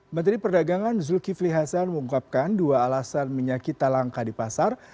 menteri perdagangan zulkifli hasan mengungkapkan dua alasan minyak kita langka di pasar